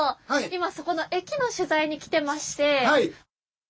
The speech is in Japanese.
今そこの駅の取材に来てまして。